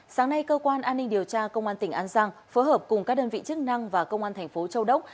sáng nay cơ quan an ninh điều tra công an tỉnh an giang phối hợp cùng các đơn vị chức năng và công an thành phố châu đốc